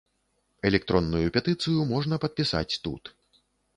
Электронную петыцыю можна падпісаць тут.